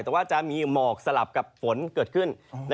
แต่ว่าจะมีหมอกสลับกับฝนเกิดขึ้น